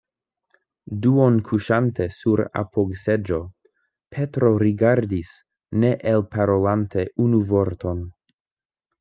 Duonkuŝante sur apogseĝo, Petro rigardis, ne elparolante unu vorton.